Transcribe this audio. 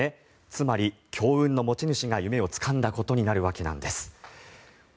つまり強運の持ち主が夢をつかんだことになるわけなんです。